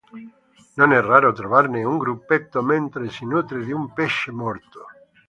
Non è raro trovarne un gruppetto mentre si nutre di un pesce morto.